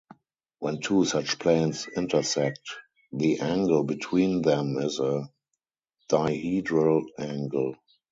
When two such planes intersect, the angle between them is a dihedral angle.